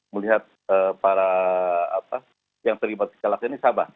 melihat para yang terlibat kecelakaan ini sama